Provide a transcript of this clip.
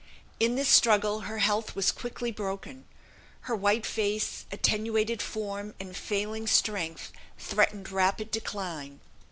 In this struggle her health was quickly broken: her white face, attenuated form, and failing strength, threatened rapid decline.